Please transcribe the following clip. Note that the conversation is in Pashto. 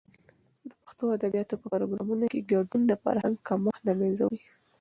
د پښتو ادبیاتو په پروګرامونو کې ګډون، د فرهنګ کمښت د منځه وړي.